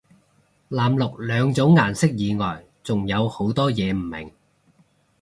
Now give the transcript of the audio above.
藍綠兩種顏色以外仲有好多嘢唔明